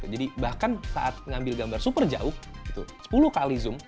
jadi bahkan saat ngambil gambar super jauh sepuluh x zoom